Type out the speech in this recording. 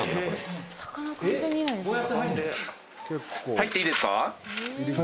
入っていいですか？